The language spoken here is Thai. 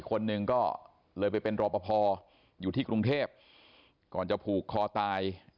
คนหนึ่งก็เลยไปเป็นรอปภอยู่ที่กรุงเทพก่อนจะผูกคอตาย